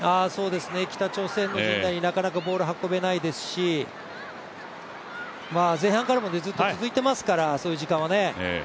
北朝鮮の陣内になかなかボールを運べないですし、前半からもずっと続いてますからそういう時間はね。